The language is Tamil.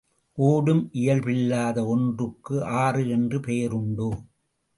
ஒடும் இயல்பில்லாத ஒன்றுக்கு ஆறு என்று பெயருண்டோ?